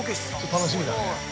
◆楽しみだね。